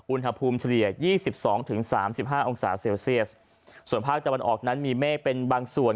อุณหภูมิเฉลี่ย๒๒๓๕องศาเซลเซียสส่วนภาคตะวันออกนั้นมีเมฆเป็นบางส่วน